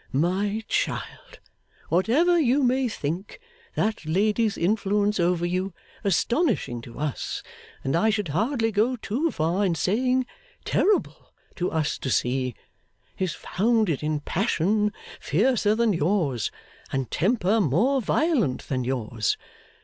My child, whatever you may think, that lady's influence over you astonishing to us, and I should hardly go too far in saying terrible to us to see is founded in passion fiercer than yours, and temper more violent than yours.